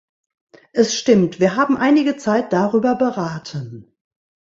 Es stimmt, wir haben einige Zeit darüber beraten.